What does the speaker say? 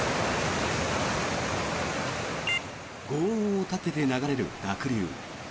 ごう音を立てて流れる濁流。